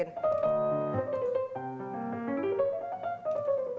terus saya lagi